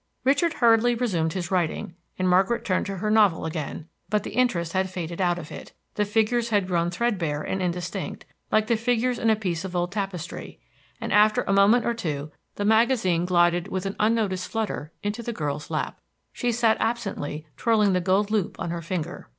Richard hurriedly resumed his writing and Margaret turned to her novel again; but the interest had faded out of it; the figures had grown threadbare and indistinct, like the figures in a piece of old tapestry, and after a moment or two the magazine glided with an unnoticed flutter into the girl's lap. She sat absently twirling the gold loop on her finger.